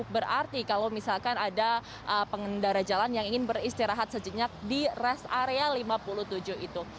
berarti kalau misalkan ada pengendara jalan yang ingin beristirahat sejenak di rest area lima puluh tujuh itu